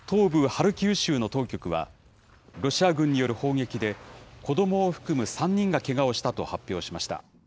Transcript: ハルキウ州の当局は、ロシア軍による砲撃で、子どもを含む３人がけがをしたと発表しました。